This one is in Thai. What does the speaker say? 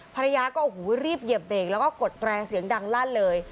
ภรรยาก็รีบเยี่ยมเบงแล้วก็กดแตรกเสียงดังลั่นเลย